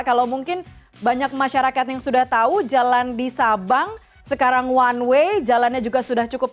kalau mungkin banyak masyarakat yang sudah tahu jalan di sabang sekarang one way jalannya juga sudah cukup